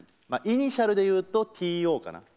イニシャルでいうとＴ・Ｏかな。